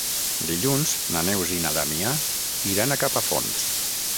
Dilluns na Neus i na Damià iran a Capafonts.